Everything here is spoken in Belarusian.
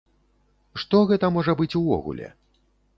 Што гэта можа быць увогуле?